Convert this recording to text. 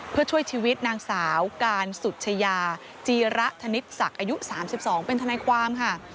เพื่อช่วยชีวิตนางสาวการสุชยาจีระธนิษฐศักดิ์อายุ๓๒เป็นทนายความค่ะ